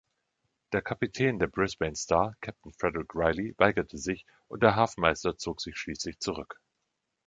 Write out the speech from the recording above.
Der Kapitän der „Brisbane Star“, Captain Frederick Riley, weigerte sich, und der Hafenmeister zog sich schließlich zurück.